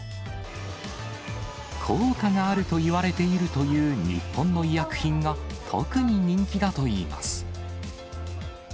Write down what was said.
効果があると言われているという日本の医薬品が、特に人気だといいます。